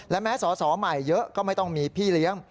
และแม้สอสอใหม่เยอะก็ไม่ต้องมีพี่เลี้ยง